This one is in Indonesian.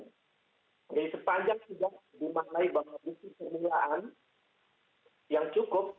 jadi sepanjang sejak dimaknai bahwa bukti semula inek yang cukup